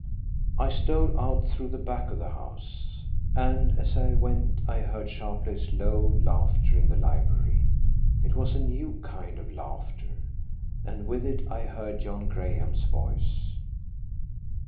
"I stole out through the back of the house, and as I went I heard Sharpleigh's low laughter in the library. It was a new kind of laughter, and with it I heard John Graham's voice.